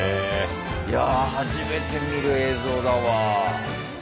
いや初めて見る映像だわ。